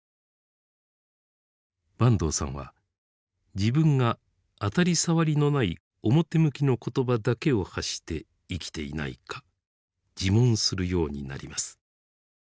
坂東さんは自分が当たり障りのない表向きの言葉だけを発して生きていないか自問するようになります。